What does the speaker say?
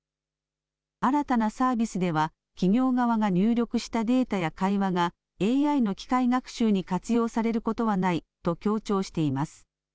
新たなサービスでは企業側が入力したデータや会話がＡＩの機械学習に活用されることはないと強調しています。